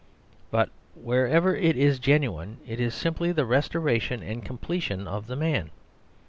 But wherever it is genuine it is simply the restoration and completion of the man.